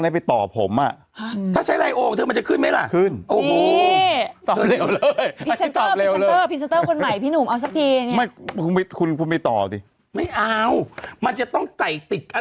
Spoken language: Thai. ไม่เอามันจะต้องไก่ติดอะไรไหมเขาเรียกว่าอะไร